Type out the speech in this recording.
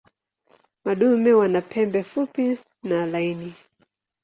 Madume wana pembe fupi na laini.